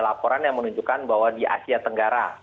laporan yang menunjukkan bahwa di asia tenggara